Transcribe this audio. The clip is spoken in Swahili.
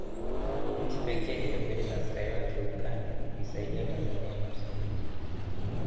Nchi pekee iliyopeleka askari wake Uganda kuisaidia Tanzania ni Msumbiji